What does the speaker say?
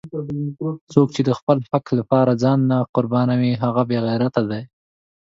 څوک چې د خپل حق لپاره ځان نه قربانوي هغه بېغیرته دی!